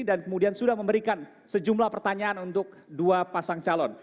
dan kemudian sudah memberikan sejumlah pertanyaan untuk dua pasang calon